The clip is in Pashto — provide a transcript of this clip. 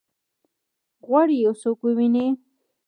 غواړي یو څوک وویني؟